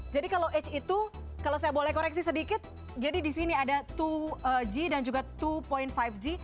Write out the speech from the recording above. jadi kalau h itu kalau saya boleh koreksi sedikit jadi di sini ada dua g dan juga dua lima g